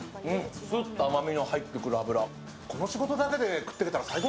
すっと甘みの入ってくる脂。